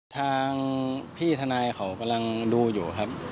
ทางพี่ทนายเขากำลังดูอยู่ครับ